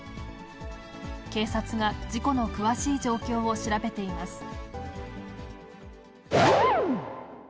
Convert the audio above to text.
警察が事故の詳しい状況を調べています。